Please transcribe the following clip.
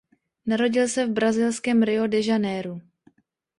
Narodil se v brazilském Rio de Janeiru.